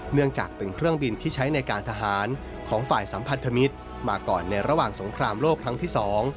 เนื่องจากเป็นเครื่องบินที่ใช้ในการทหารของฝ่ายสัมพันธมิตรมาก่อนในระหว่างสงครามโลกครั้งที่๒